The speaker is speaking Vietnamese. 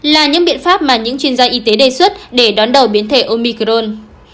là những biện pháp mà những chuyên gia y tế đề xuất để đón đầu biến thể omicron